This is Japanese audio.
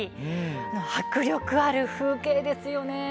迫力ある風景ですね。